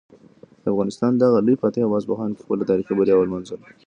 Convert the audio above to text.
د افغانستان دغه لوی فاتح په اصفهان کې خپله تاریخي بریا ولمانځله.